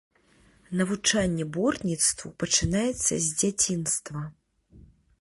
Навучанне бортніцтву пачынаецца з дзяцінства.